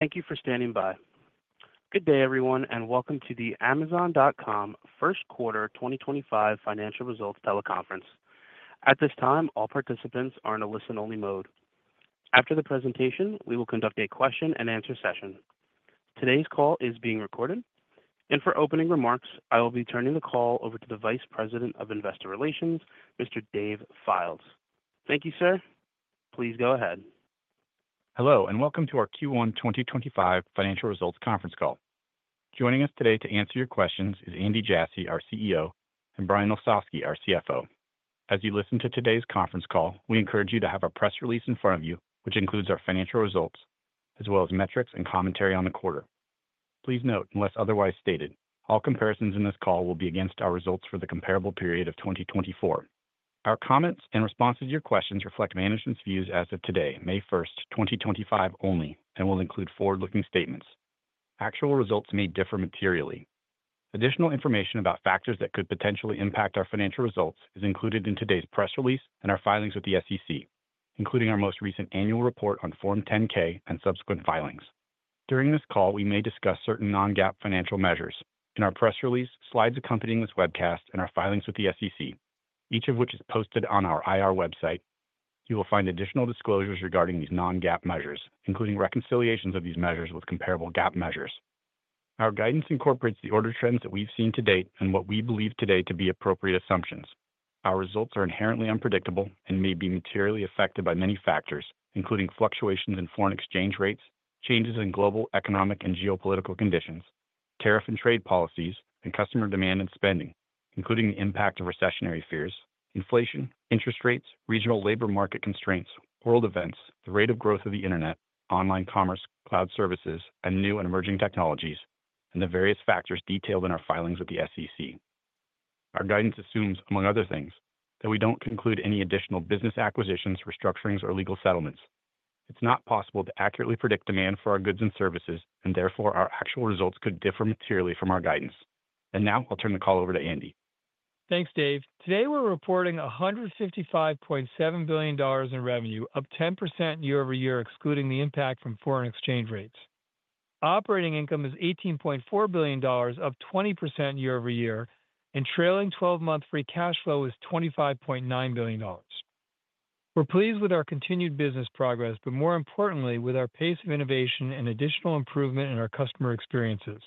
Thank you for standing by. Good day, everyone, and welcome to the Amazon.com First Quarter 2025 Financial Results Teleconference. At this time, all participants are in a listen-only mode. After the presentation, we will conduct a question-and-answer session. Today's call is being recorded, and for opening remarks, I will be turning the call over to the Vice President of Investor Relations, Mr. Dave Fildes. Thank you, sir. Please go ahead. Hello, and welcome to our Q1 2025 Financial Results Conference call. Joining us today to answer your questions is Andy Jassy, our CEO, and Brian Olsavsky, our CFO. As you listen to today's conference call, we encourage you to have a press release in front of you, which includes our financial results, as well as metrics and commentary on the quarter. Please note, unless otherwise stated, all comparisons in this call will be against our results for the comparable period of 2024. Our comments and responses to your questions reflect management's views as of today, May 1, 2025 only, and will include forward-looking statements. Actual results may differ materially. Additional information about factors that could potentially impact our financial results is included in today's press release and our filings with the SEC, including our most recent annual report on Form 10-K and subsequent filings. During this call, we may discuss certain non-GAAP financial measures in our press release, slides accompanying this webcast, and our filings with the SEC, each of which is posted on our IR website. You will find additional disclosures regarding these non-GAAP measures, including reconciliations of these measures with comparable GAAP measures. Our guidance incorporates the order trends that we've seen to date and what we believe today to be appropriate assumptions. Our results are inherently unpredictable and may be materially affected by many factors, including fluctuations in foreign exchange rates, changes in global economic and geopolitical conditions, tariff and trade policies, and customer demand and spending, including the impact of recessionary fears, inflation, interest rates, regional labor market constraints, world events, the rate of growth of the internet, online commerce, cloud services, and new and emerging technologies, and the various factors detailed in our filings with the SEC. Our guidance assumes, among other things, that we do not conclude any additional business acquisitions, restructurings, or legal settlements. It is not possible to accurately predict demand for our goods and services, and therefore our actual results could differ materially from our guidance. I will now turn the call over to Andy. Thanks, Dave. Today we're reporting $155.7 billion in revenue, up 10% year-over-year, excluding the impact from foreign exchange rates. Operating income is $18.4 billion, up 20% year-over-year, and trailing 12-month free cash flow is $25.9 billion. We're pleased with our continued business progress, but more importantly, with our pace of innovation and additional improvement in our customer experiences.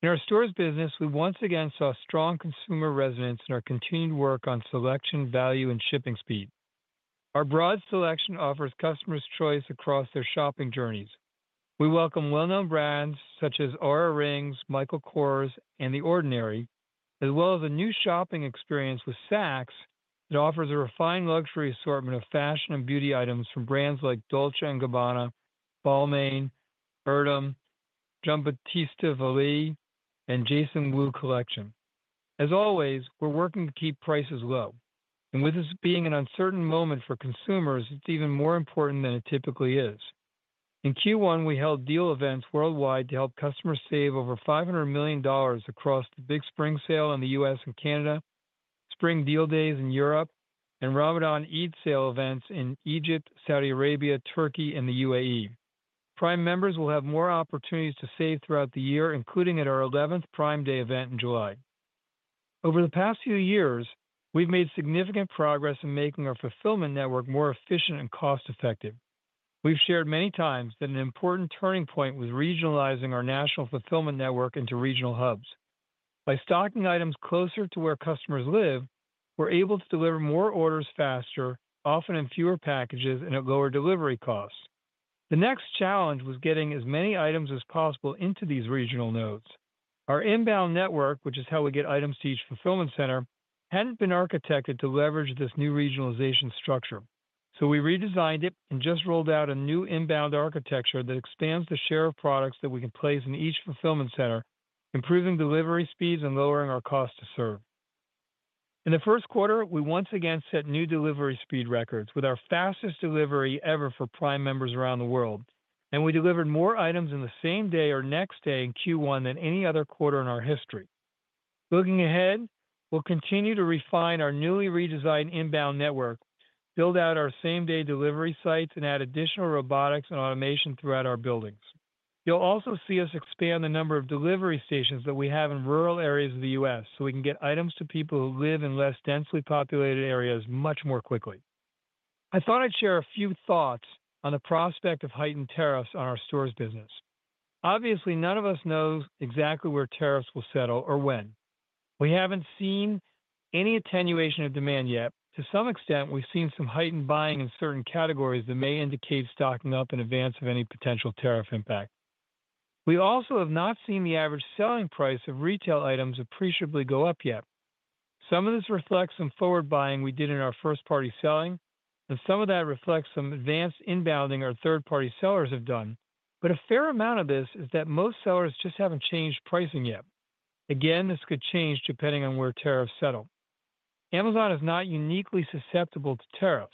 In our stores business, we once again saw strong consumer resonance in our continued work on selection, value, and shipping speed. Our broad selection offers customers choice across their shopping journeys. We welcome well-known brands such as Oura Rings, Michael Kors, and The Ordinary, as well as a new shopping experience with Saks that offers a refined luxury assortment of fashion and beauty items from brands like Dolce & Gabbana, Balmain, Burberry, Giambattista Valli, and Jason Wu Collection. As always, we're working to keep prices low, and with this being an uncertain moment for consumers, it's even more important than it typically is. In Q1, we held deal events worldwide to help customers save over $500 million across the Big Spring Sale in the U.S. and Canada, Spring Deal Days in Europe, and Ramadan Eid Sale events in Egypt, Saudi Arabia, Turkey, and the UAE. Prime members will have more opportunities to save throughout the year, including at our 11th Prime Day event in July. Over the past-few-years, we've made significant progress in making our fulfillment network more efficient and cost-effective. We've shared many times that an important turning point was regionalizing our national fulfillment network into regional hubs. By stocking items closer to where customers live, we're able to deliver more orders faster, often in fewer packages and at lower delivery costs. The next challenge was getting as many items as possible into these regional nodes. Our inbound network, which is how we get items to each fulfillment center, had not been architected to leverage this new regionalization structure, so we redesigned it and just rolled out a new inbound architecture that expands the share of products that we can place in each fulfillment center, improving delivery speeds and lowering our cost to serve. In the first quarter, we once again set new delivery speed records with our fastest delivery ever for Prime members around the world, and we delivered more items in the same day or next day in Q1 than any other quarter in our history. Looking ahead, we will continue to refine our newly redesigned inbound network, build out our same-day delivery sites, and add additional robotics and automation throughout our buildings. You'll also see us expand the number of delivery stations that we have in rural areas of the U.S. so we can get items to people who live in less densely populated areas much more quickly. I thought I'd share a few thoughts on the prospect of heightened tariffs on our stores business. Obviously, none of us knows exactly where tariffs will settle or when. We haven't seen any attenuation of demand yet. To some extent, we've seen some heightened buying in certain categories that may indicate stocking up in advance of any potential tariff impact. We also have not seen the average selling price of retail items appreciably go up yet. Some of this reflects some forward buying we did in our first-party selling, and some of that reflects some advanced inbounding our third-party sellers have done, but a fair amount of this is that most sellers just have not changed pricing yet. Again, this could change depending on where tariffs settle. Amazon is not uniquely susceptible to tariffs.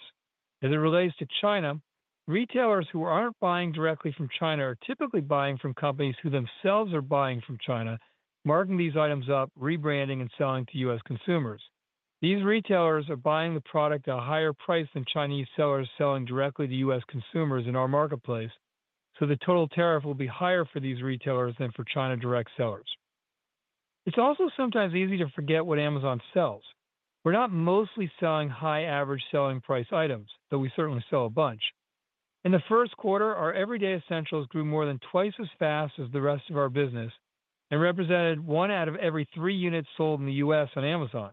As it relates to China, retailers who are not buying directly from China are typically buying from companies who themselves are buying from China, marking these items up, rebranding, and selling to U.S. consumers. These retailers are buying the product at a higher price than Chinese sellers selling directly to U.S. consumers in our marketplace, so the total tariff will be higher for these retailers than for China direct sellers. It is also sometimes easy to forget what Amazon sells. We are not mostly selling high average selling price items, though we certainly sell a bunch. In the first quarter, our everyday essentials grew more than twice as fast as the rest of our business and represented one out of every three units sold in the U.S. on Amazon.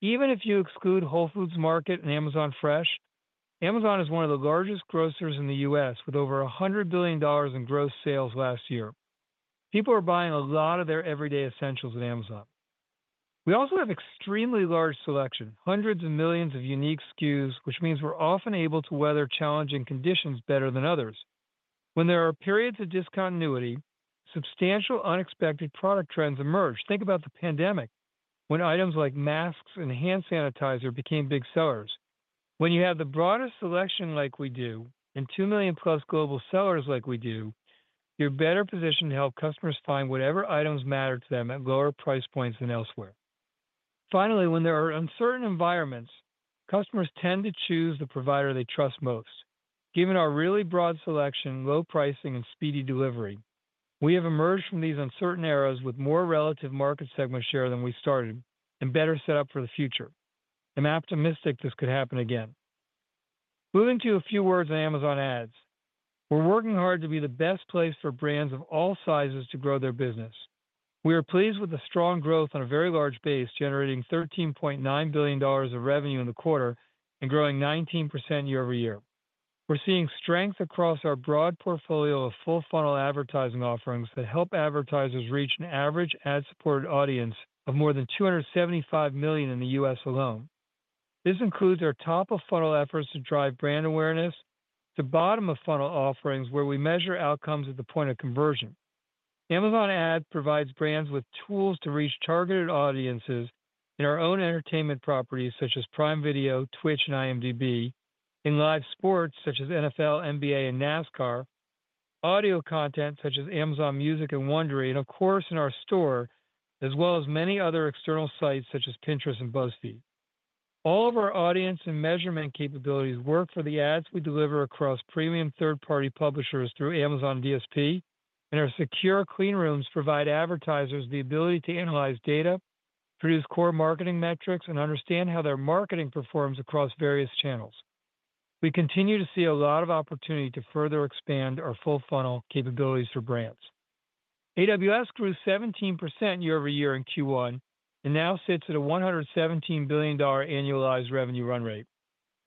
Even if you exclude Whole Foods Market and Amazon Fresh, Amazon is one of the largest grocers in the U.S. with over $100 billion in gross sales last year. People are buying a lot of their everyday essentials at Amazon. We also have an extremely large selection, hundreds of millions of unique SKUs, which means we're often able to weather challenging conditions better than others. When there are periods of discontinuity, substantial unexpected product trends emerge. Think about the pandemic, when items like masks and hand sanitizer became big sellers. When you have the broadest selection like we do and 2 million plus global sellers like we do, you're better positioned to help customers find whatever items matter to them at lower price points than elsewhere. Finally, when there are uncertain environments, customers tend to choose the provider they trust most. Given our really broad selection, low pricing, and speedy delivery, we have emerged from these uncertain eras with more relative market segment share than we started and better set up for the future. I'm optimistic this could happen again. Moving to a few words on Amazon ads. We're working hard to be the best place for brands of all sizes to grow their business. We are pleased with the strong growth on a very large base, generating $13.9 billion of revenue in the quarter and growing 19% year-over-year. We're seeing strength across our broad portfolio of full-funnel advertising offerings that help advertisers reach an average ad-supported audience of more than 275 million in the U.S. alone. This includes our top-of-funnel efforts to drive brand awareness, the bottom-of-funnel offerings where we measure outcomes at the point of conversion. Amazon ads provides brands with tools to reach targeted audiences in our own entertainment properties such as Prime Video, Twitch, and IMDb, in live sports such as NFL, NBA, and NASCAR, audio content such as Amazon Music and Wondery, and of course in our store, as well as many other external sites such as Pinterest and BuzzFeed. All of our audience and measurement capabilities work for the ads we deliver across premium third-party publishers through Amazon DSP, and our secure clean rooms provide advertisers the ability to analyze data, produce core marketing metrics, and understand how their marketing performs across various channels. We continue to see a lot of opportunity to further expand our full-funnel capabilities for brands. AWS grew 17% year-over-year in Q1 and now sits at a $117 billion annualized revenue run rate.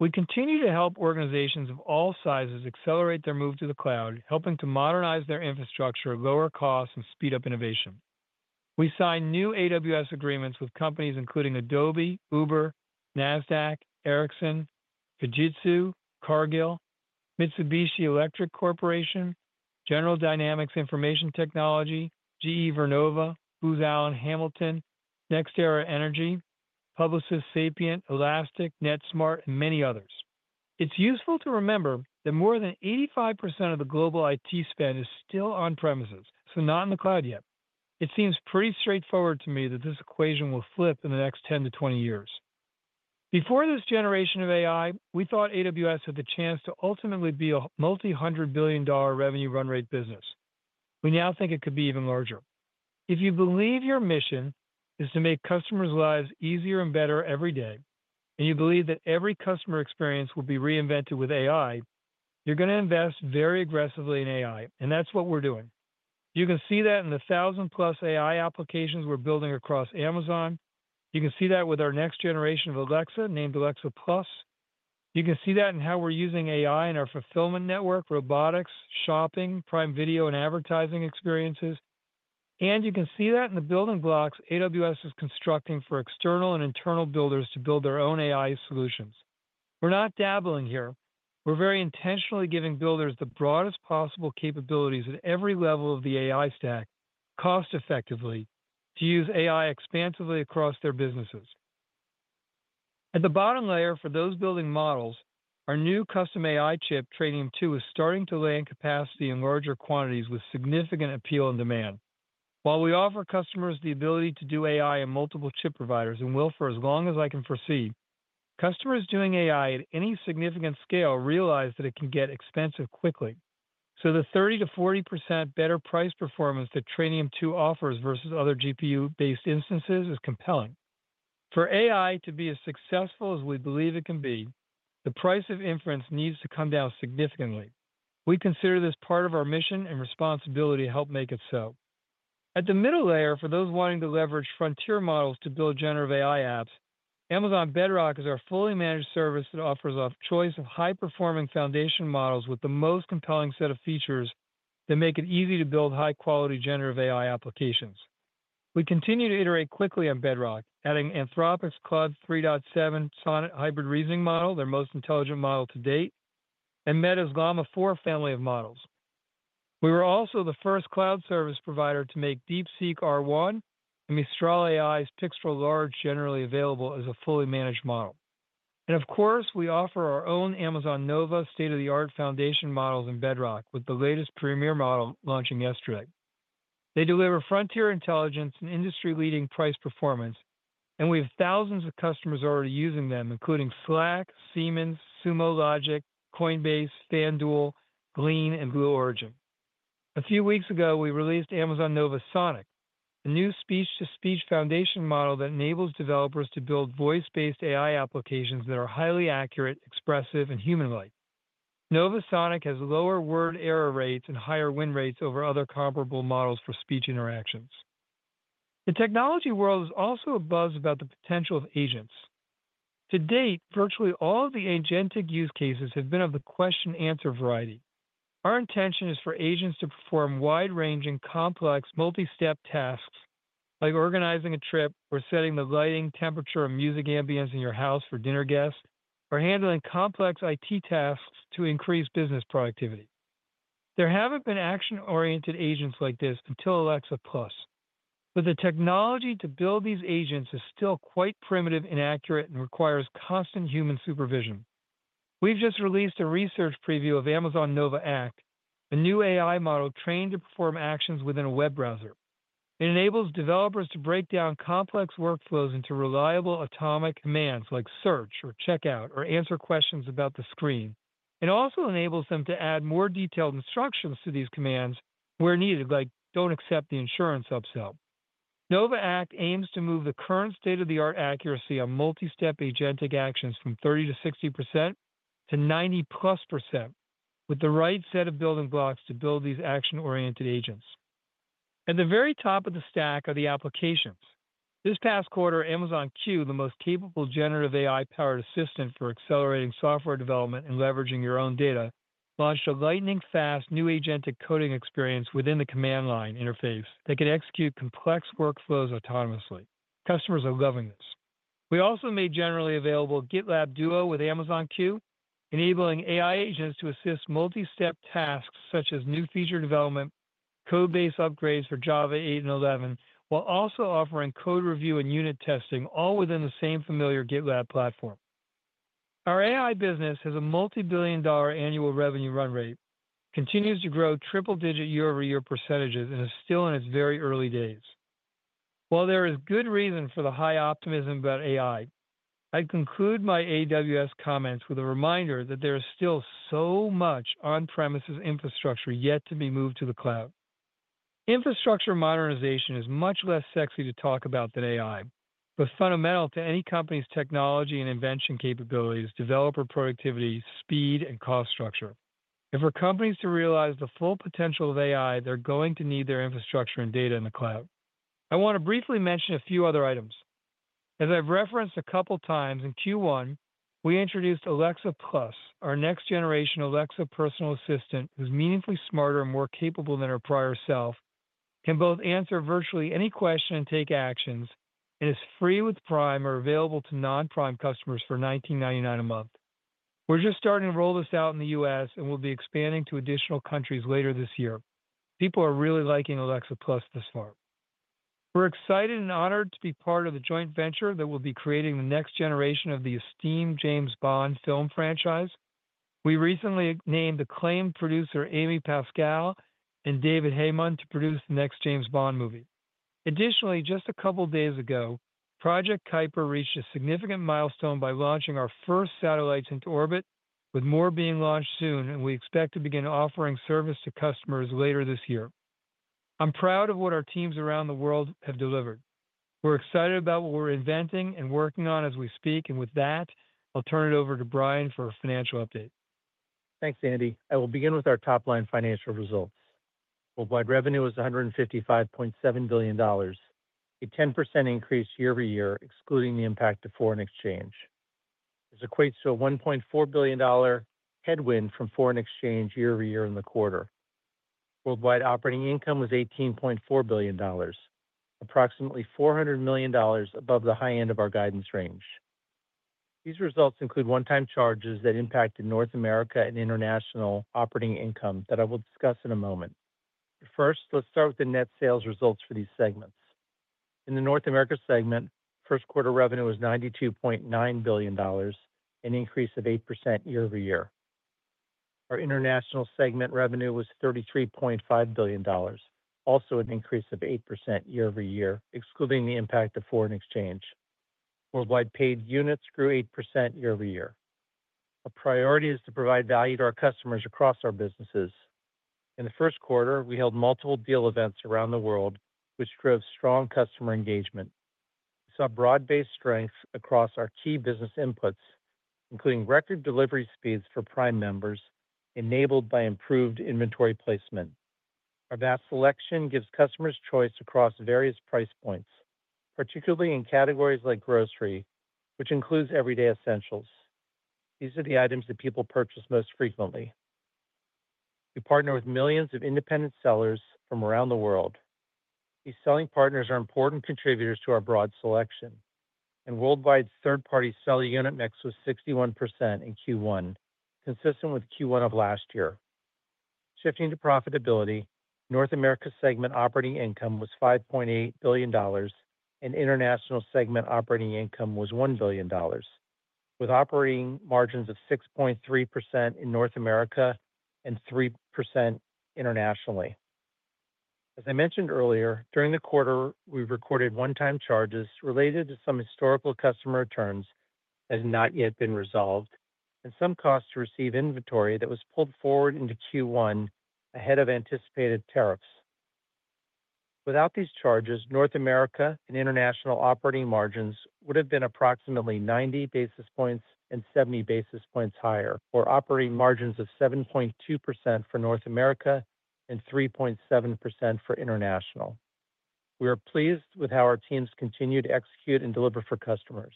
We continue to help organizations of all sizes accelerate their move to the cloud, helping to modernize their infrastructure, lower costs, and speed up innovation. We signed new AWS agreements with companies including Adobe, Uber, Nasdaq, Ericsson, Fujitsu, Cargill, Mitsubishi Electric Corporation, General Dynamics Information Technology, GE Vernova, Booz Allen, Hamilton, NextEra Energy, Publicis Sapient, Elastic, NetSmart, and many others. It's useful to remember that more than 85% of the global IT spend is still on premises, so not in the cloud yet. It seems pretty straightforward to me that this equation will flip in the next 10 years-20 years. Before this generation of AI, we thought AWS had the chance to ultimately be a multi-hundred billion dollar revenue run rate business. We now think it could be even larger. If you believe your mission is to make customers' lives easier and better every day, and you believe that every customer experience will be reinvented with AI, you're going to invest very aggressively in AI, and that's what we're doing. You can see that in the thousand-plus AI applications we're building across Amazon. You can see that with our next generation of Alexa named Alexa Plus. You can see that in how we're using AI in our fulfillment network, robotics, shopping, Prime Video, and advertising experiences. You can see that in the building blocks AWS is constructing for external and internal builders to build their own AI solutions. We're not dabbling here. We're very intentionally giving builders the broadest possible capabilities at every level of the AI stack cost-effectively to use AI expansively across their businesses. At the bottom layer for those building models, our new custom AI chip, Trainium 2, is starting to lay in capacity in larger quantities with significant appeal and demand. While we offer customers the ability to do AI in multiple chip providers and will for as long as I can foresee, customers doing AI at any significant scale realize that it can get expensive quickly. The 30%-40% better price performance that Trainium two offers versus other GPU-based instances is compelling. For AI to be as successful as we believe it can be, the price of inference needs to come down significantly. We consider this part of our mission and responsibility to help make it so. At the middle layer for those wanting to leverage frontier models to build generative AI apps, Amazon Bedrock is our fully managed service that offers a choice of high-performing foundation models with the most compelling set of features that make it easy to build high-quality generative AI applications. We continue to iterate quickly on Bedrock, adding Anthropic's Claude 3.7 Sonnet hybrid reasoning model, their most intelligent model to date, and Meta's Llama 4 family of models. We were also the first cloud service provider to make DeepSeek R1 and Mistral AI's Pixtral Large generally available as a fully managed model. Of course, we offer our own Amazon Nova state-of-the-art foundation models in Bedrock with the latest premier model launching yesterday. They deliver frontier intelligence and industry-leading price performance, and we have thousands of customers already using them, including Slack, Siemens, Sumo Logic, Coinbase, FanDuel, Glean, and Blue Origin. A few weeks ago, we released Amazon Nova Sonic, a new speech-to-speech foundation model that enables developers to build voice-based AI applications that are highly accurate, expressive, and human-like. Nova Sonic has lower word error rates and higher win rates over other comparable models for speech interactions. The technology world is also abuzz about the potential of agents. To date, virtually all of the agentic use cases have been of the question-answer variety. Our intention is for agents to perform wide-ranging, complex, multi-step tasks like organizing a trip or setting the lighting, temperature, and music ambience in your house for dinner guests, or handling complex IT tasks to increase business productivity. There have not been action-oriented agents like this until Alexa Plus, but the technology to build these agents is still quite primitive and accurate and requires constant human supervision. We have just released a research preview of Amazon Nova Act, a new AI model trained to perform actions within a web browser. It enables developers to break down complex workflows into reliable atomic commands like search or checkout or answer questions about the screen. It also enables them to add more detailed instructions to these commands where needed, like do not accept the insurance upsell. Nova Act aims to move the current state-of-the-art accuracy on multi-step agentic actions from 30%-60% to 90 plus percent with the right set of building blocks to build these action-oriented agents. At the very top of the stack are the applications. This past quarter, Amazon Q, the most capable generative AI-powered assistant for accelerating software development and leveraging your own data, launched a lightning-fast new agentic coding experience within the command line interface that can execute complex workflows autonomously. Customers are loving this. We also made generally available GitLab Duo with Amazon Q, enabling AI agents to assist multi-step tasks such as new feature development, code-based upgrades for Java 8 and 11, while also offering code review and unit testing, all within the same familiar GitLab platform. Our AI business has a multi-billion dollar annual revenue run rate, continues to grow triple-digit year-over-year percentages, and is still in its very early days. While there is good reason for the high optimism about AI, I conclude my AWS comments with a reminder that there is still so much on-premises infrastructure yet to be moved to the cloud. Infrastructure modernization is much less sexy to talk about than AI, but fundamental to any company's technology and invention capabilities, developer productivity, speed, and cost structure. If we're companies to realize the full potential of AI, they're going to need their infrastructure and data in the cloud. I want to briefly mention a few other items. As I've referenced a couple of times in Q1, we introduced Alexa Plus, our next-generation Alexa personal assistant who's meaningfully smarter and more capable than her prior self, can both answer virtually any question and take actions, and is free with Prime or available to non-Prime customers for $19.99 a month. We're just starting to roll this out in the U.S., and we'll be expanding to additional countries later this-year. People are really liking Alexa Plus this far. We're excited and honored to be part of the joint venture that will be creating the next generation of the esteemed James Bond film franchise. We recently named acclaimed producer Amy Pascal and David Heyman to produce the next James Bond movie. Additionally, just a couple of days ago, Project Kuiper reached a significant milestone by launching our first satellites into orbit, with more being launched soon, and we expect to begin offering service to customers later this year. I'm proud of what our teams around the world have delivered. We're excited about what we're inventing and working on as we speak, and with that, I'll turn it over to Brian for a financial update. Thanks, Andy. I will begin with our top-line financial results. Worldwide revenue was $155.7 billion, a 10% increase year-over-year, excluding the impact of foreign exchange. This equates to a $1.4 billion headwind from foreign exchange year-over-year in the quarter. Worldwide operating income was $18.4 billion, approximately $400 million above the high end of our guidance range. These results include one-time charges that impacted North America and international operating income that I will discuss in a moment. First, let's start with the net sales results for these segments. In the North America segment, first-quarter revenue was $92.9 billion, an increase of 8% year-over-year. Our international segment revenue was $33.5 billion, also an increase of 8% year-over-year, excluding the impact of foreign exchange. Worldwide paid units grew 8% year-over-year. Our priority is to provide value to our customers across our businesses. In the first quarter, we held multiple deal events around the world, which drove strong customer engagement. We saw broad-based strengths across our key business inputs, including record delivery speeds for Prime members, enabled by improved inventory placement. Our vast selection gives customers choice across various price points, particularly in categories like grocery, which includes everyday essentials. These are the items that people purchase most frequently. We partner with millions of independent sellers from around the world. These selling partners are important contributors to our broad selection, and worldwide third-party seller unit mix was 61% in Q1, consistent with Q1 of last-year. Shifting to profitability, North America segment operating income was $5.8 billion, and international segment operating income was $1 billion, with operating margins of 6.3% in North America and 3% internationally. As I mentioned earlier, during the quarter, we recorded one-time charges related to some historical customer returns that have not yet been resolved, and some costs to receive inventory that was pulled forward into Q1 ahead of anticipated tariffs. Without these charges, North America and international operating margins would have been approximately 90 basis points and 70 basis points higher, or operating margins of 7.2% for North America and 3.7% for international. We are pleased with how our teams continue to execute and deliver for customers.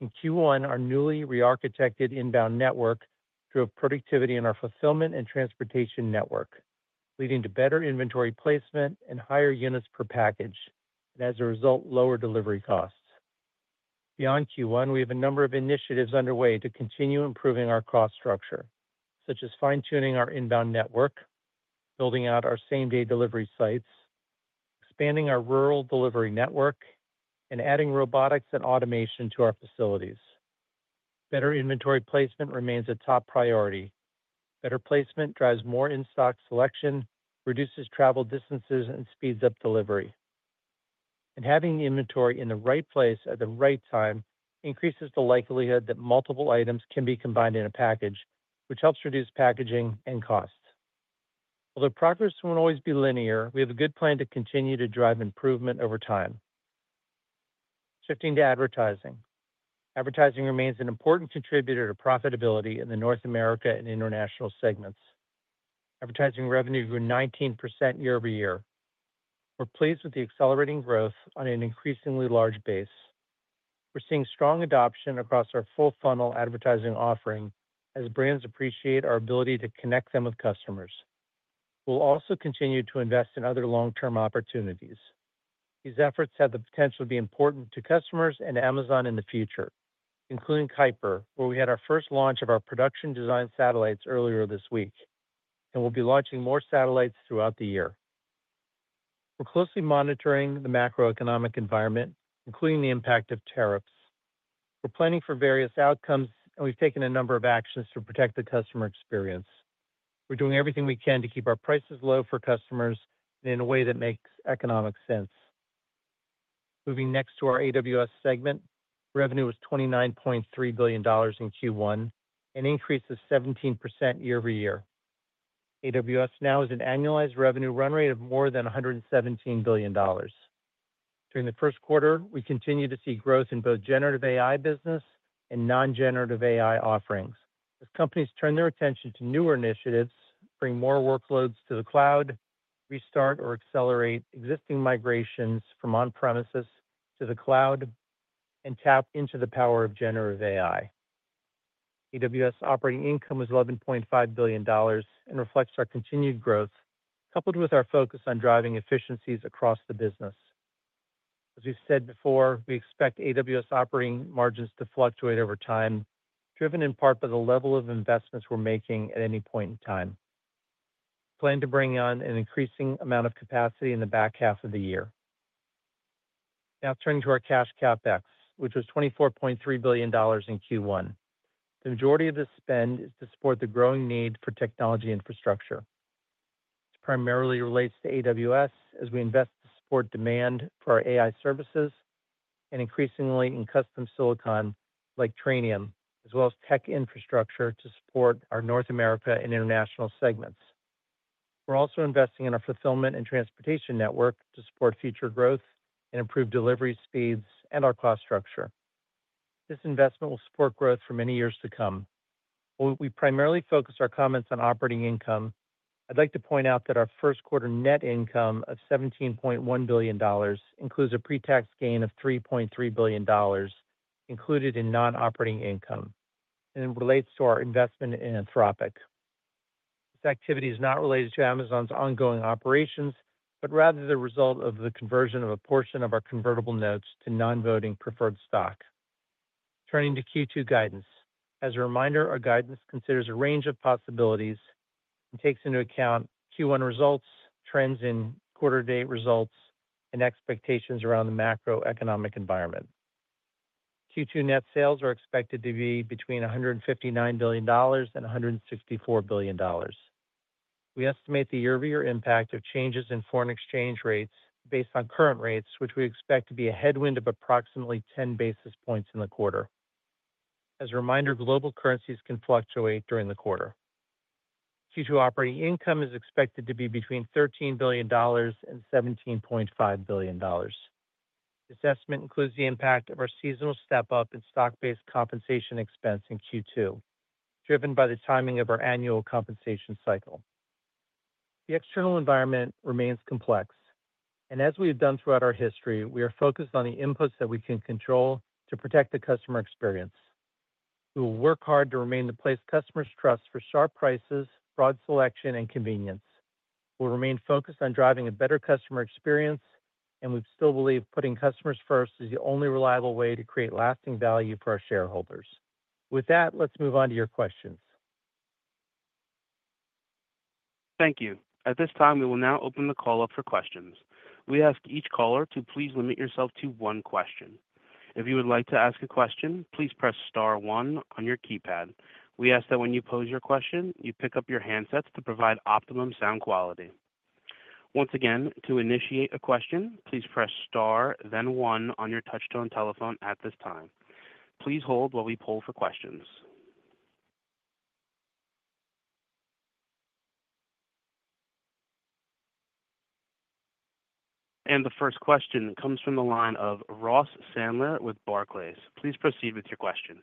In Q1, our newly re-architected inbound network drove productivity in our fulfillment and transportation network, leading to better inventory placement and higher units per package, and as a result, lower delivery costs. Beyond Q1, we have a number of initiatives underway to continue improving our cost structure, such as fine-tuning our inbound network, building out our same-day delivery sites, expanding our rural delivery network, and adding robotics and automation to our facilities. Better inventory placement remains a top priority. Better placement drives more in-stock selection, reduces travel distances, and speeds up delivery. Having the inventory in the right place at the right time increases the likelihood that multiple items can be combined in a package, which helps reduce packaging and costs. Although progress will not always be linear, we have a good plan to continue to drive improvement over time. Shifting to advertising. Advertising remains an important contributor to profitability in the North America and international segments. Advertising revenue grew 19% year-over-year. We are pleased with the accelerating growth on an increasingly large base. We are seeing strong adoption across our full-funnel advertising offering as brands appreciate our ability to connect them with customers. We will also continue to invest in other long-term opportunities. These efforts have the potential to be important to customers and Amazon in the future, including Kuiper, where we had our first launch of our production design satellites earlier this week, and we will be launching more satellites throughout the year. We are closely monitoring the macroeconomic environment, including the impact of tariffs. We are planning for various outcomes, and we have taken a number of actions to protect the customer experience. We're doing everything we can to keep our prices low for customers and in a way that makes economic sense. Moving next to our AWS segment, revenue was $29.3 billion in Q1, an increase of 17% year-over-year. AWS now has an annualized revenue run rate of more than $117 billion. During the first quarter, we continue to see growth in both generative AI business and non-generative AI offerings. As companies turn their attention to newer initiatives, bring more workloads to the cloud, restart or accelerate existing migrations from on-premises to the cloud, and tap into the power of generative AI. AWS operating income was $11.5 billion and reflects our continued growth, coupled with our focus on driving efficiencies across the business. As we've said before, we expect AWS operating margins to fluctuate over time, driven in part by the level of investments we're making at any point in time. We plan to bring on an increasing amount of capacity in the back half of the year. Now turning to our cash CapEx, which was $24.3 billion in Q1. The majority of this spend is to support the growing need for technology infrastructure. It primarily relates to AWS as we invest to support demand for our AI services and increasingly in custom silicon like Trainium, as well as tech infrastructure to support our North America and international segments. We're also investing in our fulfillment and transportation network to support future growth and improve delivery speeds and our cost structure. This investment will support growth for many-years to come. While we primarily focus our comments on operating income, I'd like to point out that our first-quarter net income of $17.1 billion includes a pre-tax gain of $3.3 billion included in non-operating income, and it relates to our investment in Anthropic. This activity is not related to Amazon's ongoing operations, but rather the result of the conversion of a portion of our convertible notes to non-voting preferred stock. Turning to Q2 guidance. As a reminder, our guidance considers a range of possibilities and takes into account Q1 results, trends in quarter-day results, and expectations around the macroeconomic environment. Q2 net sales are expected to be between $159 billion and $164 billion. We estimate the year-over-year impact of changes in foreign exchange rates based on current rates, which we expect to be a headwind of approximately 10 basis points in the quarter. As a reminder, global currencies can fluctuate during the quarter. Q2 operating income is expected to be between $13 billion and $17.5 billion. This estimate includes the impact of our seasonal step-up in stock-based compensation expense in Q2, driven by the timing of our annual compensation cycle. The external environment remains complex, and as we have done throughout our history, we are focused on the inputs that we can control to protect the customer experience. We will work hard to remain the place customers trust for sharp prices, broad selection, and convenience. We'll remain focused on driving a better customer experience, and we still believe putting customers first is the only reliable way to create lasting value for our shareholders. With that, let's move on to your questions. Thank you. At this time, we will now open the call up for questions. We ask each caller to please limit yourself to one question. If you would like to ask a question, please press star one on your keypad. We ask that when you pose your question, you pick up your handsets to provide optimum sound quality. Once again, to initiate a question, please press star, then one on your touchstone telephone at this time. Please hold while we pull for questions. The first question comes from the line of Ross Sandler with Barclays. Please proceed with your question.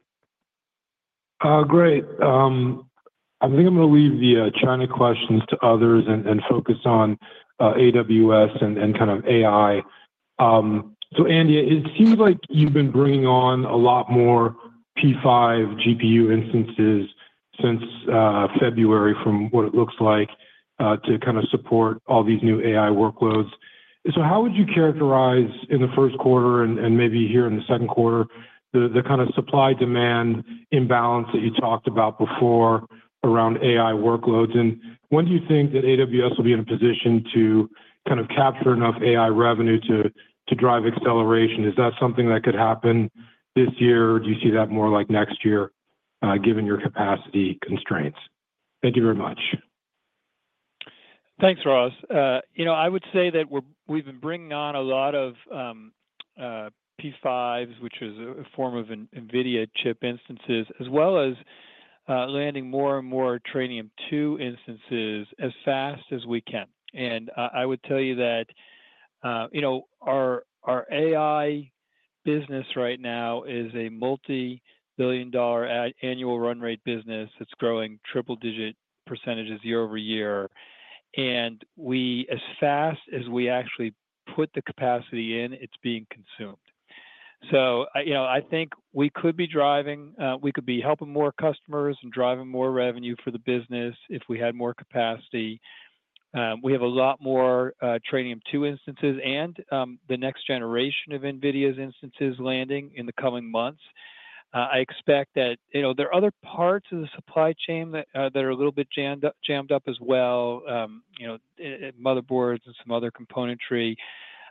Great. I think I'm going to leave the China questions to others and focus on AWS and kind of AI. Andy, it seems like you've been bringing on a lot more P5 GPU instances since February from what it looks like to kind of support all these new AI workloads. How would you characterize in the first quarter and maybe here in the second quarter the kind of supply-demand imbalance that you talked about before around AI workloads? When do you think that AWS will be in a position to kind of capture enough AI revenue to drive acceleration? Is that something that could happen this year, or do you see that more like next year given your capacity constraints? Thank you very much. Thanks, Ross. You know, I would say that we've been bringing on a lot of P5s, which is a form of NVIDIA chip instances, as well as landing more and more Trainium 2 instances as fast as we can. I would tell you that, you know, our AI business right now is a multi-billion dollar annual run rate business. It's growing triple-digit percentage year-over-year. As fast as we actually put the capacity in, it's being consumed. You know, I think we could be helping more customers and driving more revenue for the business if we had more capacity. We have a lot more Trainium 2 instances and the next generation of NVIDIA's instances landing in the coming months. I expect that, you know, there are other parts of the supply chain that are a little bit jammed up as well, you know, motherboards and some other componentry.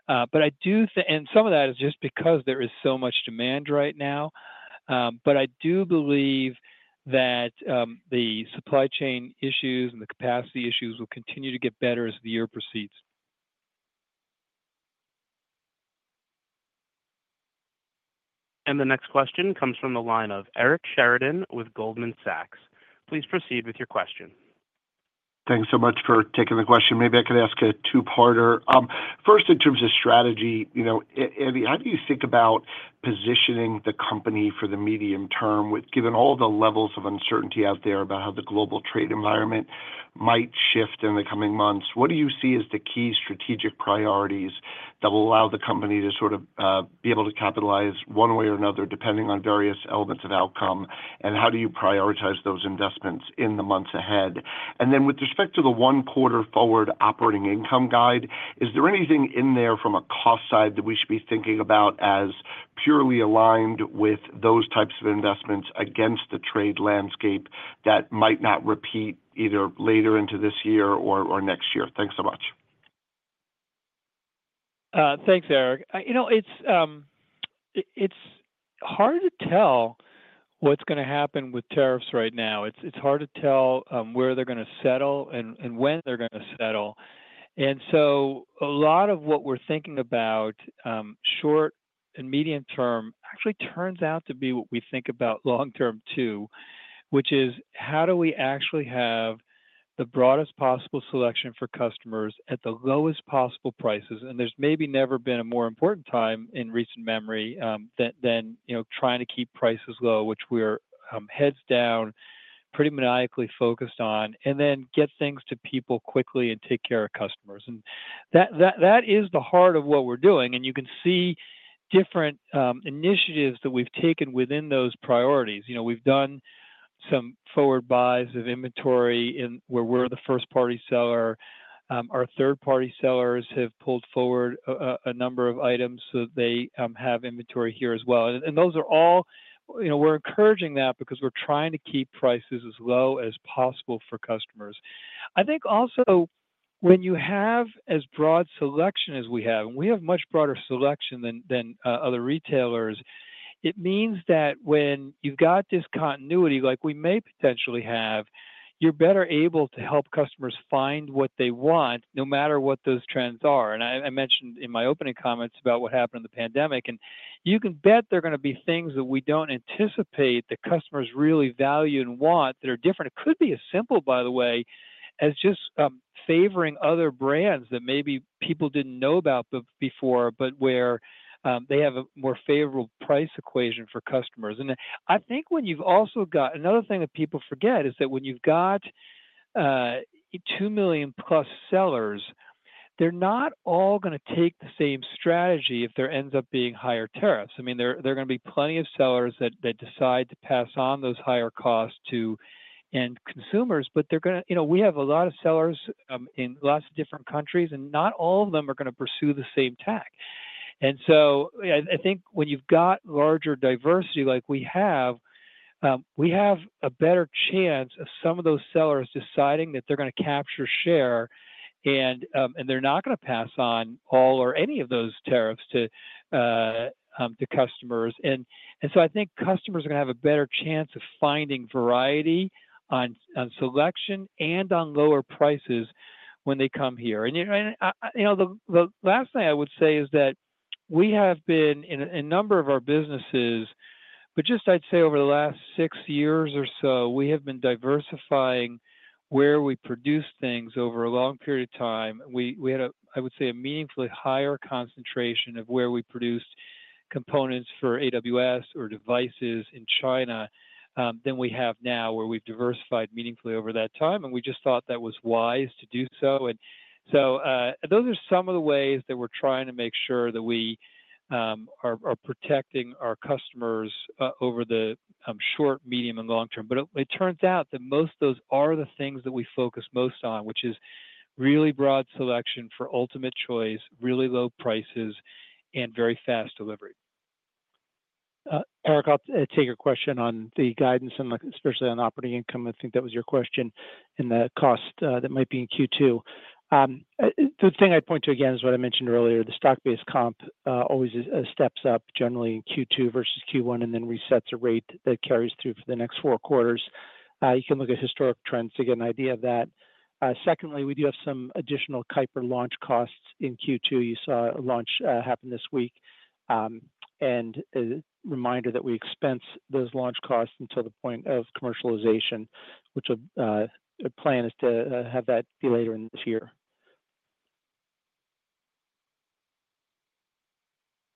I do think—and some of that is just because there is so much demand right now—but I do believe that the supply chain issues and the capacity issues will continue to get better as the year proceeds. The next question comes from the line of Eric Sheridan with Goldman Sachs. Please proceed with your question. Thanks so much for taking the question. Maybe I could ask a two-parter. First, in terms of strategy, you know, Andy, how do you think about positioning the company for the medium term with given all the levels of uncertainty out there about how the global trade environment might shift in the coming months? What do you see as the key strategic priorities that will allow the company to sort of be able to capitalize one way or another depending on various elements of outcome? How do you prioritize those investments in the months ahead? With respect to the one-quarter forward operating income guide, is there anything in there from a cost side that we should be thinking about as purely aligned with those types of investments against the trade landscape that might not repeat either later into this year or next year? Thanks so much. Thanks, Eric. You know, it's hard to tell what's going to happen with tariffs right now. It's hard to tell where they're going to settle and when they're going to settle. A lot of what we're thinking about short and medium term actually turns out to be what we think about long term too, which is how do we actually have the broadest possible selection for customers at the lowest possible prices? There's maybe never been a more important time in recent memory than, you know, trying to keep prices low, which we're heads down, pretty maniacally focused on, and then get things to people quickly and take care of customers. That is the heart of what we're doing. You can see different initiatives that we've taken within those priorities. We've done some forward buys of inventory where we're the first-party seller. Our third-party sellers have pulled forward a number of items so that they have inventory here as well. Those are all, you know, we're encouraging that because we're trying to keep prices as low as possible for customers. I think also when you have as broad a selection as we have, and we have much broader selection than other retailers, it means that when you've got this continuity like we may potentially have, you're better able to help customers find what they want no matter what those trends are. I mentioned in my opening comments about what happened in the pandemic, and you can bet there are going to be things that we don't anticipate that customers really value and want that are different. It could be as simple, by the way, as just favoring other brands that maybe people did not know about before, but where they have a more favorable price equation for customers. I think when you have also got—another thing that people forget is that when you have got 2 million plus sellers, they are not all going to take the same strategy if there ends up being higher tariffs. I mean, there are going to be plenty of sellers that decide to pass on those higher costs to end consumers, but they are going to—you know, we have a lot of sellers in lots of different countries, and not all of them are going to pursue the same tack. I think when you've got larger diversity like we have, we have a better chance of some of those sellers deciding that they're going to capture share, and they're not going to pass on all or any of those tariffs to customers. I think customers are going to have a better chance of finding variety on selection and on lower prices when they come here. You know, the last thing I would say is that we have been in a number of our businesses, but just I'd say over the last six years or so, we have been diversifying where we produce things over a long period of time. We had a, I would say, a meaningfully higher concentration of where we produced components for AWS or devices in China than we have now, where we've diversified meaningfully over that time, and we just thought that was wise to do so. Those are some of the ways that we're trying to make sure that we are protecting our customers over the short, medium, and long term. It turns out that most of those are the things that we focus most on, which is really broad selection for ultimate choice, really low prices, and very fast delivery. Eric, I'll take your question on the guidance and especially on operating income. I think that was your question in the cost that might be in Q2. The thing I'd point to again is what I mentioned earlier. The stock-based comp always steps up generally in Q2 versus Q1 and then resets a rate that carries through for the next four quarters. You can look at historic trends to get an idea of that. Secondly, we do have some additional Kuiper launch costs in Q2. You saw a launch happen this week. A reminder that we expense those launch costs until the point of commercialization, which the plan is to have that be later in this-year.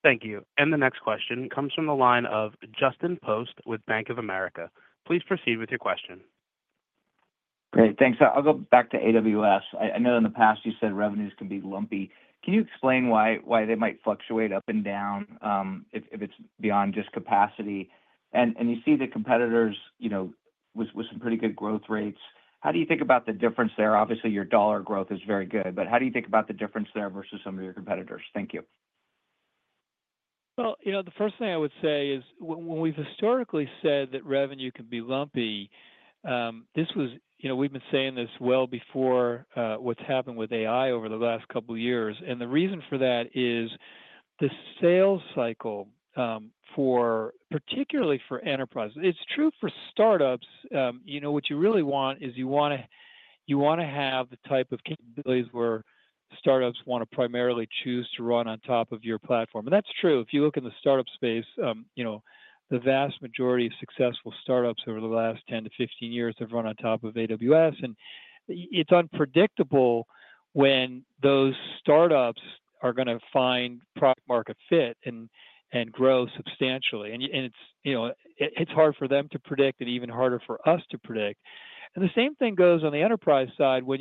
Thank you. The next question comes from the line of Justin Post with Bank of America. Please proceed with your question. Great. Thanks. I'll go back to AWS. I know in the past you said revenues can be lumpy. Can you explain why they might fluctuate up and down if it's beyond just capacity? You see the competitors, you know, with some pretty good growth rates. How do you think about the difference there? Obviously, your dollar growth is very good, but how do you think about the difference there versus some of your competitors? Thank you. You know, the first thing I would say is when we've historically said that revenue can be lumpy, this was, you know, we've been saying this well before what's happened with AI over the last couple of years. The reason for that is the sales cycle for, particularly for enterprises. It's true for startups. You know, what you really want is you want to have the type of capabilities where startups want to primarily choose to run on top of your platform. That's true. If you look in the startup space, you know, the vast majority of successful startups over the last 10 years-15 years have run on top of AWS. It's unpredictable when those startups are going to find product-market fit and grow substantially. It's, you know, it's hard for them to predict and even harder for us to predict. The same thing goes on the enterprise side, but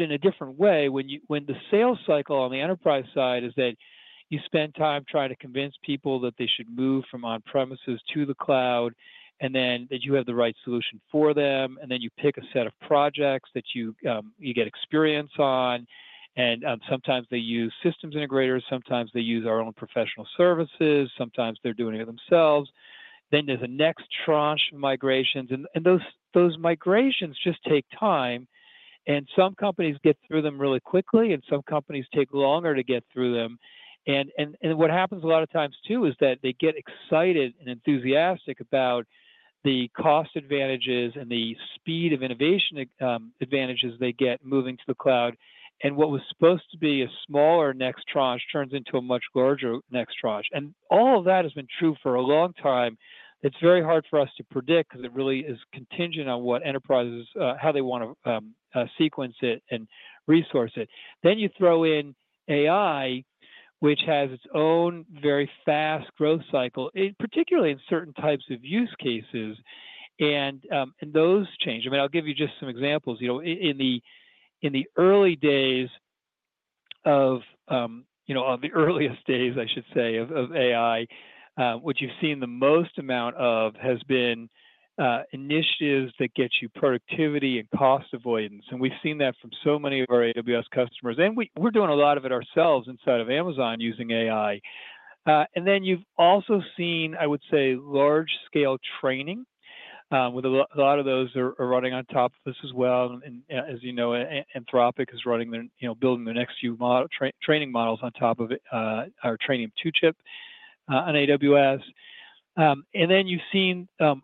in a different way, when the sales cycle on the enterprise side is that you spend time trying to convince people that they should move from on-premises to the cloud, and then that you have the right solution for them, and then you pick a set of projects that you get experience on. Sometimes they use systems integrators, sometimes they use our own professional services, sometimes they're doing it themselves. There's a next tranche of migrations. Those migrations just take time. Some companies get through them really quickly, and some companies take longer to get through them. What happens a lot of times too is that they get excited and enthusiastic about the cost advantages and the speed of innovation advantages they get moving to the cloud. What was supposed to be a smaller next tranche turns into a much larger next tranche. All of that has been true for a long time. It's very hard for us to predict because it really is contingent on what enterprises, how they want to sequence it and resource it. You throw in AI, which has its own very fast growth cycle, particularly in certain types of use cases. Those change. I mean, I'll give you just some examples. You know, in the early days of, you know, the earliest days, I should say, of AI, what you've seen the most amount of has been initiatives that get you productivity and cost avoidance. We've seen that from so many of our AWS customers. We're doing a lot of it ourselves inside of Amazon using AI. You've also seen, I would say, large-scale training, with a lot of those running on top of this as well. As you know, Anthropic is running their, you know, building their next few training models on top of our Trainium 2 chip on AWS. You've seen a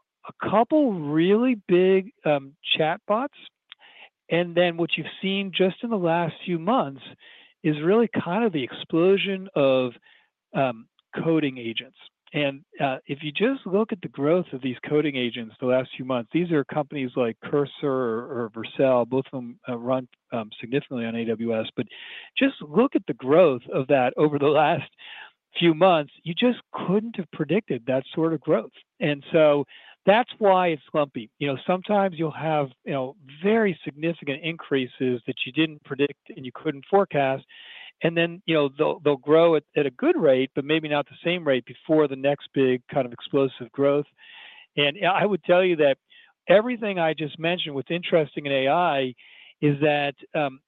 couple really big chatbots. What you've seen just in the last few months is really kind of the explosion of coding agents. If you just look at the growth of these coding agents the last few months, these are companies like Cursor or Vercel, both of them run significantly on AWS. Just look at the growth of that over the last few months. You just couldn't have predicted that sort of growth. That's why it's lumpy. You know, sometimes you'll have, you know, very significant increases that you didn't predict and you couldn't forecast. You know, they'll grow at a good rate, but maybe not the same rate before the next big kind of explosive growth. I would tell you that everything I just mentioned with interesting in AI is that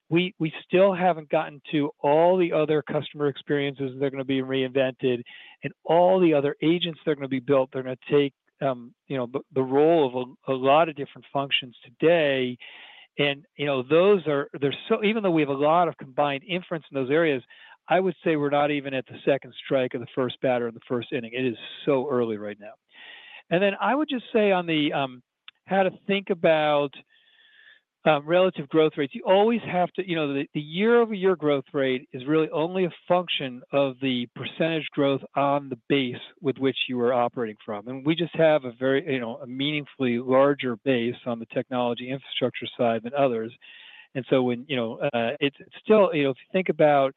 we still haven't gotten to all the other customer experiences that are going to be reinvented and all the other agents that are going to be built. They're going to take, you know, the role of a lot of different functions today. You know, those are, they're so, even though we have a lot of combined inference in those areas, I would say we're not even at the second strike of the first batter in the first inning. It is so early right now. I would just say on the how to think about relative growth rates, you always have to, you know, the year-over-year growth rate is really only a function of the percentage growth on the base with which you are operating from. We just have a very, you know, a meaningfully larger base on the technology infrastructure side than others. When, you know, it's still, you know, if you think about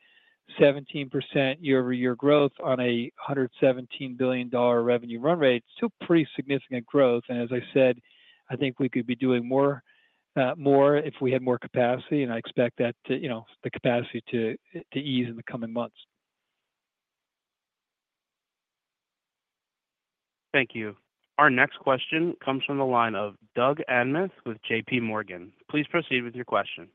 17% year-over-year growth on a $117 billion revenue run rate, it's still pretty significant growth. As I said, I think we could be doing more if we had more capacity. I expect that to, you know, the capacity to ease in the coming months. Thank you. Our next question comes from the line of Doug Anmuth with JP Morgan. Please proceed with your question.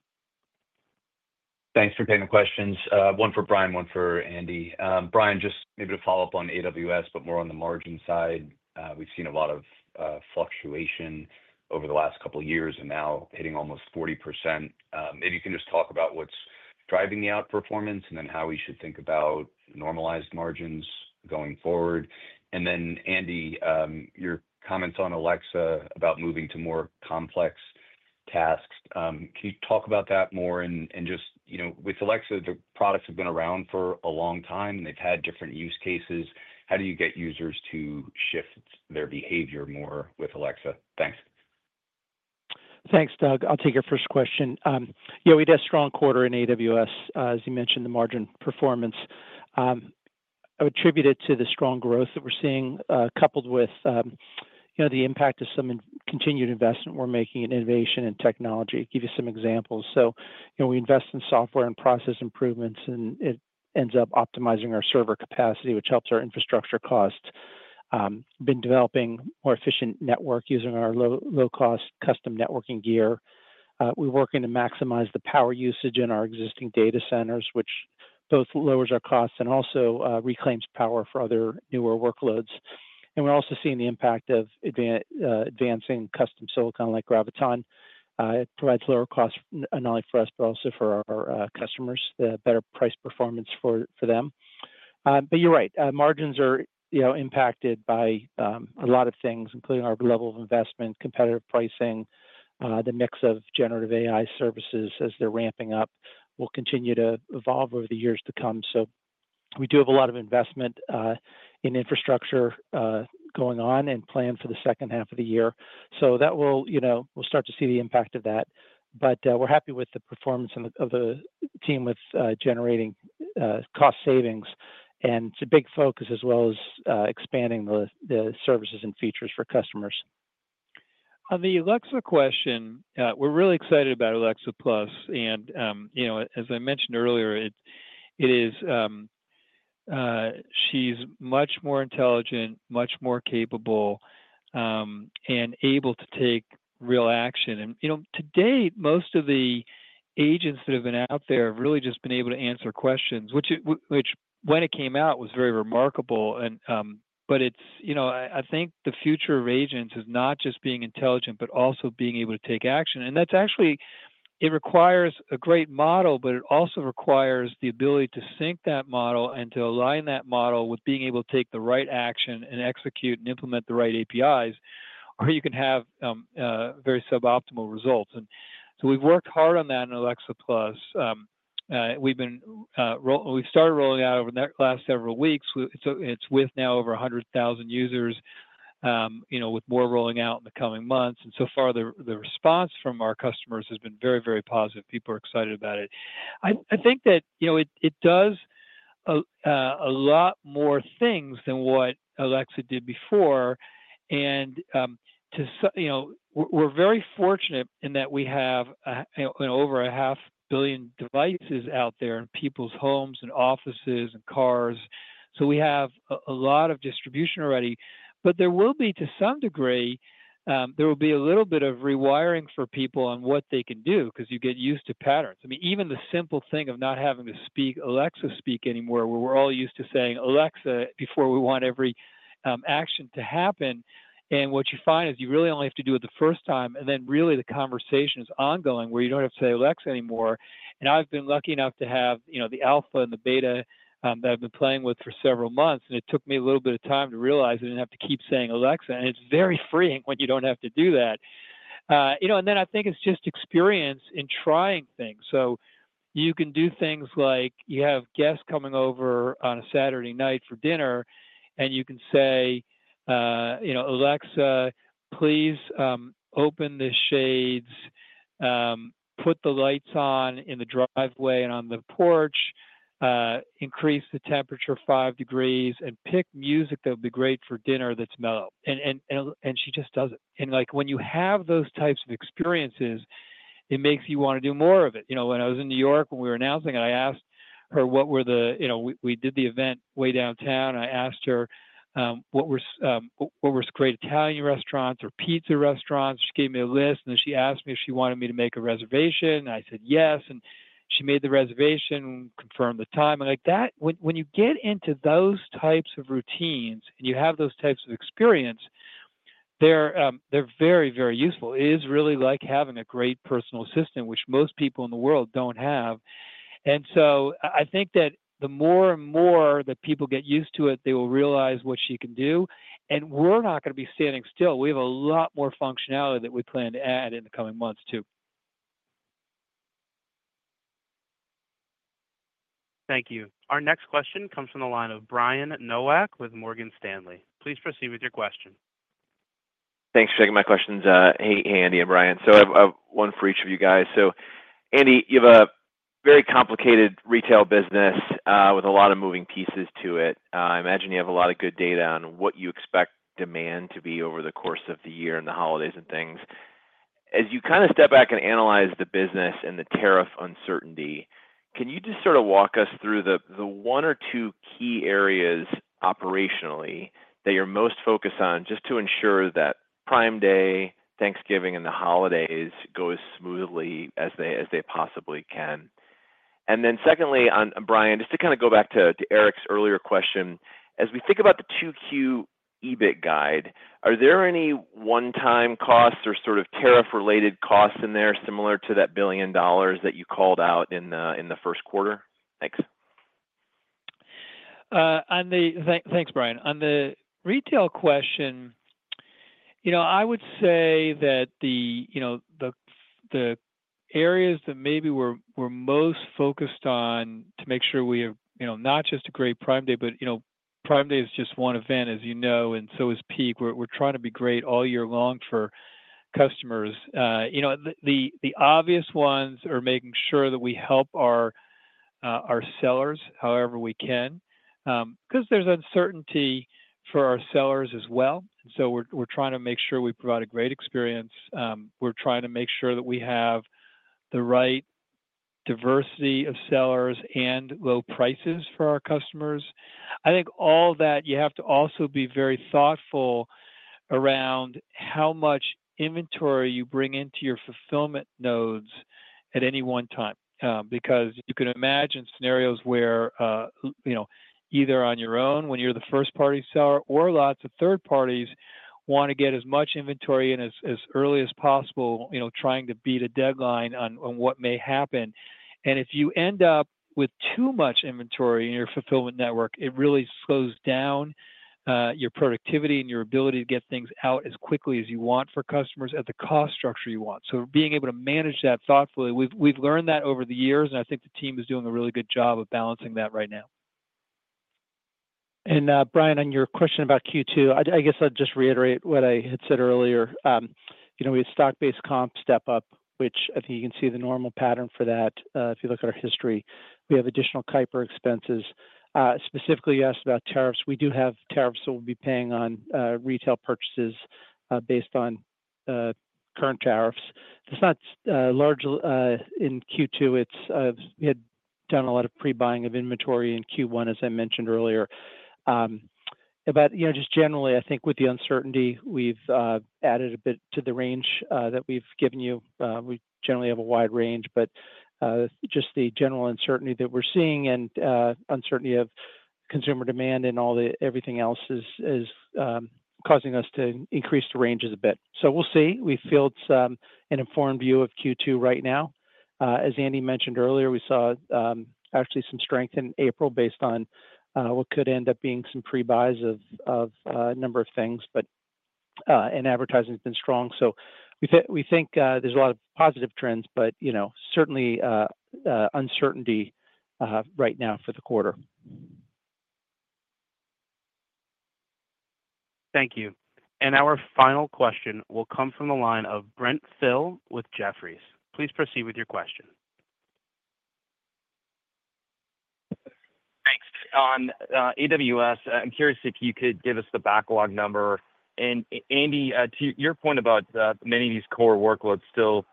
Thanks for taking the questions. One for Brian, one for Andy. Brian, just maybe to follow up on AWS, but more on the margin side. We've seen a lot of fluctuation over the last couple of years and now hitting almost 40%. If you can just talk about what's driving the outperformance and then how we should think about normalized margins going forward. Andy, your comments on Alexa about moving to more complex tasks. Can you talk about that more? And just, you know, with Alexa, the products have been around for a long time, and they've had different use cases. How do you get users to shift their behavior more with Alexa? Thanks. Thanks, Doug. I'll take your first question. Yeah, we did a strong quarter in AWS, as you mentioned, the margin performance. I would attribute it to the strong growth that we're seeing, coupled with, you know, the impact of some continued investment we're making in innovation and technology. Give you some examples. You know, we invest in software and process improvements, and it ends up optimizing our server capacity, which helps our infrastructure costs. Been developing more efficient network using our low-cost custom networking gear. We're working to maximize the power usage in our existing data centers, which both lowers our costs and also reclaims power for other newer workloads. We're also seeing the impact of advancing custom silicon like Graviton. It provides lower costs not only for us, but also for our customers, the better price performance for them. You're right, margins are, you know, impacted by a lot of things, including our level of investment, competitive pricing, the mix of generative AI services as they're ramping up. We'll continue to evolve over the years to come. We do have a lot of investment in infrastructure going on and plan for the second half of the year. That will, you know, we'll start to see the impact of that. We're happy with the performance of the team with generating cost savings. It's a big focus as well as expanding the services and features for customers. On the Alexa question, we're really excited about Alexa Plus. You know, as I mentioned earlier, it is, she's much more intelligent, much more capable, and able to take real action. You know, today, most of the agents that have been out there have really just been able to answer questions, which, when it came out, was very remarkable. I think the future of agents is not just being intelligent, but also being able to take action. That actually requires a great model, but it also requires the ability to sync that model and to align that model with being able to take the right action and execute and implement the right APIs, or you can have very suboptimal results. We have worked hard on that in Alexa Plus. We have started rolling out over the last several weeks. It is now with over 100,000 users, with more rolling out in the coming months. So far, the response from our customers has been very, very positive. People are excited about it. I think that, you know, it does a lot more things than what Alexa did before. You know, we're very fortunate in that we have over a half billion devices out there in people's homes and offices and cars. We have a lot of distribution already. There will be, to some degree, a little bit of rewiring for people on what they can do because you get used to patterns. I mean, even the simple thing of not having to speak Alexa speak anymore, where we're all used to saying Alexa before we want every action to happen. What you find is you really only have to do it the first time. Then really the conversation is ongoing where you don't have to say Alexa anymore. I've been lucky enough to have, you know, the Alpha and the Beta that I've been playing with for several months. It took me a little bit of time to realize I didn't have to keep saying Alexa. It's very freeing when you don't have to do that. You know, I think it's just experience in trying things. You can do things like you have guests coming over on a Saturday night for dinner, and you can say, you know, Alexa, please open the shades, put the lights on in the driveway and on the porch, increase the temperature five degrees, and pick music that would be great for dinner that's mellow. She just does it. Like when you have those types of experiences, it makes you want to do more of it. You know, when I was in New York when we were announcing it, I asked her what were the, you know, we did the event way downtown. I asked her what were great Italian restaurants or pizza restaurants. She gave me a list. She asked me if she wanted me to make a reservation. I said yes. She made the reservation and confirmed the time. Like that, when you get into those types of routines and you have those types of experience, they're very, very useful. It is really like having a great personal assistant, which most people in the world don't have. I think that the more and more that people get used to it, they will realize what she can do. We're not going to be standing still. We have a lot more functionality that we plan to add in the coming months too. Thank you. Our next question comes from the line of Brian Nowak with Morgan Stanley. Please proceed with your question. Thanks for taking my questions. Hey, Andy and Brian. I have one for each of you guys. Andy, you have a very complicated retail business with a lot of moving pieces to it. I imagine you have a lot of good data on what you expect demand to be over the course of the year and the holidays and things. As you kind of step back and analyze the business and the tariff uncertainty, can you just sort of walk us through the one or two key areas operationally that you're most focused on just to ensure that Prime Day, Thanksgiving, and the holidays go as smoothly as they possibly can? Then secondly, Brian, just to kind of go back to Eric's earlier question, as we think about the 2Q EBIT guide, are there any one-time costs or sort of tariff-related costs in there similar to that billion dollars that you called out in the first quarter? Thanks. Thanks, Brian. On the retail question, I would say that the areas that maybe we're most focused on to make sure we have, you know, not just a great Prime Day, but Prime Day is just one event, as you know, and so is Peak. We're trying to be great all year long for customers. The obvious ones are making sure that we help our sellers however we can, because there's uncertainty for our sellers as well. We're trying to make sure we provide a great experience. We're trying to make sure that we have the right diversity of sellers and low prices for our customers. I think all that you have to also be very thoughtful around how much inventory you bring into your fulfillment nodes at any one time. Because you can imagine scenarios where, you know, either on your own when you're the first-party seller or lots of third parties want to get as much inventory in as early as possible, you know, trying to beat a deadline on what may happen. If you end up with too much inventory in your fulfillment network, it really slows down your productivity and your ability to get things out as quickly as you want for customers at the cost structure you want. Being able to manage that thoughtfully, we've learned that over-the-years. I think the team is doing a really good job of balancing that right now. Brian, on your question about Q2, I guess I'll just reiterate what I had said earlier. You know, we had stock-based comp step up, which I think you can see the normal pattern for that if you look at our history. We have additional Kuiper expenses. Specifically, you asked about tariffs. We do have tariffs that we'll be paying on retail purchases based on current tariffs. It's not large in Q2. We had done a lot of pre-buying of inventory in Q1, as I mentioned earlier. You know, just generally, I think with the uncertainty, we've added a bit to the range that we've given you. We generally have a wide range, but just the general uncertainty that we're seeing and uncertainty of consumer demand and all the everything else is causing us to increase the ranges a bit. We'll see. We've filled some an informed view of Q2 right now. As Andy mentioned earlier, we saw actually some strength in April based on what could end up being some pre-buys of a number of things. Advertising has been strong. We think there's a lot of positive trends, but, you know, certainly uncertainty right now for the quarter. Thank you. Our final question will come from the line of Brent Thill with Jefferies. Please proceed with your question. Thanks. On AWS, I'm curious if you could give us the backlog number. Andy, to your point about many of these core workloads still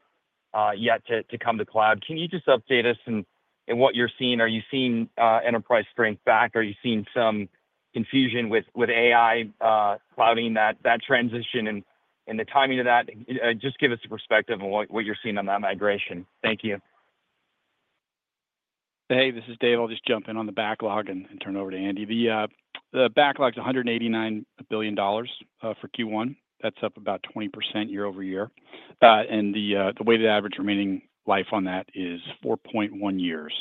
yet to come to cloud, can you just update us in what you're seeing? Are you seeing enterprise strength back? Are you seeing some confusion with AI clouding that transition and the timing of that? Just give us a perspective on what you're seeing on that migration. Thank you. Hey, this is Dave. I'll just jump in on the backlog and turn it over to Andy. The backlog is $189 billion for Q1. That's up about 20% year-over-year. And the weighted average remaining life on that is 4.1 years.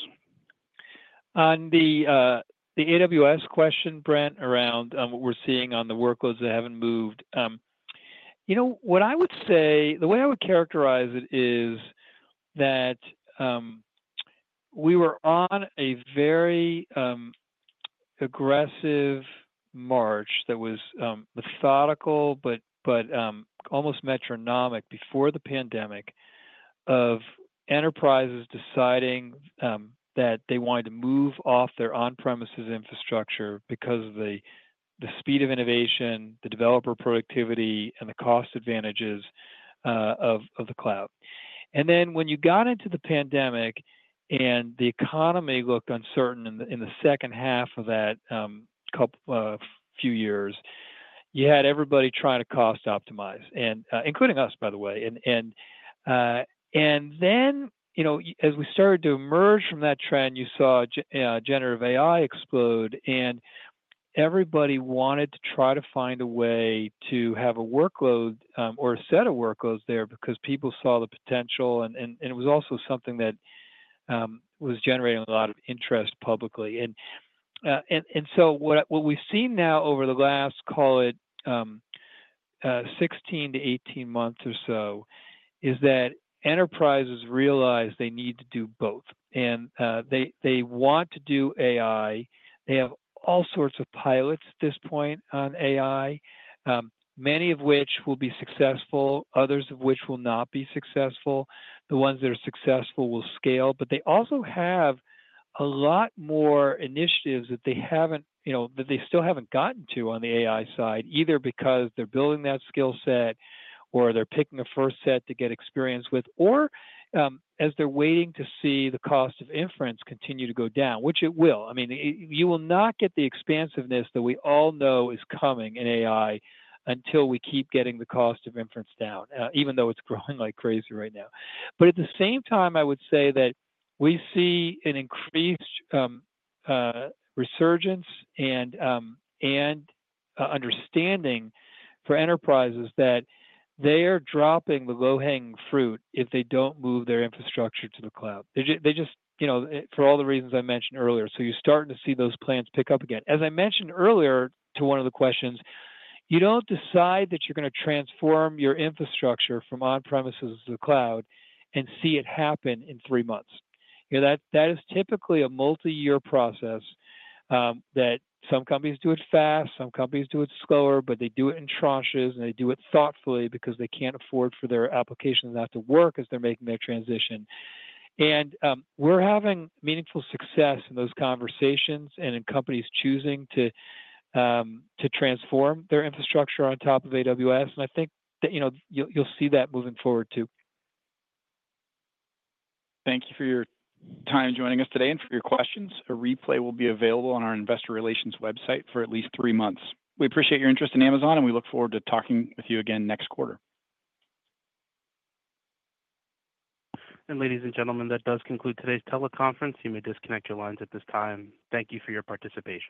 On the AWS question, Brent, around what we're seeing on the workloads that haven't moved, you know, what I would say, the way I would characterize it is that we were on a very aggressive march that was methodical, but almost metronomic before the pandemic of enterprises deciding that they wanted to move off their on-premises infrastructure because of the speed of innovation, the developer productivity, and the cost advantages of the cloud. When you got into the pandemic and the economy looked uncertain in the second half of that couple of few years, you had everybody trying to cost optimize, including us, by the way. As we started to emerge from that trend, you saw generative AI explode. Everybody wanted to try to find a way to have a workload or a set of workloads there because people saw the potential. It was also something that was generating a lot of interest publicly. What we've seen now over the last, call it 16 months-18 months or so, is that enterprises realize they need to do both. They want to do AI. They have all sorts of pilots at this point on AI, many of which will be successful, others of which will not be successful. The ones that are successful will scale. They also have a lot more initiatives that they haven't, you know, that they still haven't gotten to on the AI side, either because they're building that skill set or they're picking a first set to get experience with, or as they're waiting to see the cost of inference continue to go down, which it will. I mean, you will not get the expansiveness that we all know is coming in AI until we keep getting the cost of inference down, even though it's growing like crazy right now. At the same time, I would say that we see an increased resurgence and understanding for enterprises that they are dropping the low-hanging fruit if they don't move their infrastructure to the cloud. They just, you know, for all the reasons I mentioned earlier. You're starting to see those plans pick up again. As I mentioned earlier to one of the questions, you don't decide that you're going to transform your infrastructure from on-premises to the cloud and see it happen in three months. You know, that is typically a multi-year process that some companies do it fast, some companies do it slower, but they do it in tranches and they do it thoughtfully because they can't afford for their applications not to work as they're making their transition. We're having meaningful success in those conversations and in companies choosing to transform their infrastructure on top of AWS. I think that, you know, you'll see that moving forward too. Thank you for your time joining us today and for your questions. A replay will be available on our investor relations website for at least three months. We appreciate your interest in Amazon, and we look forward to talking with you again next quarter. Ladies and gentlemen, that does conclude today's teleconference. You may disconnect your lines at this time. Thank you for your participation.